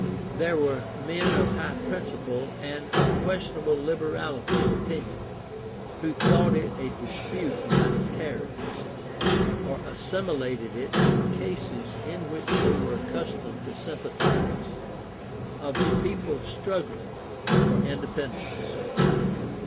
There were men of high principle and unquestionable liberality of opinion, who thought it a dispute about tariffs, or assimilated it to the cases in which they were accustomed to sympathize, of a people struggling for independence.